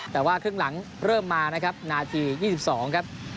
แต่ว่าครึ่งหลังเริ่มมานะครับนาที๒๒ครับ